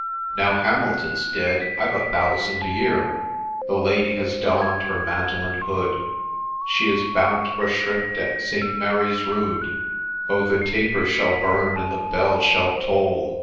Now Hamilton 's dead, I've a thousand a year !' The lady has donn'd her mantle and hood, She is bound for shrift at St. Mary's Rood :—' Oh ! the taper shall burn, and the bell shall toll.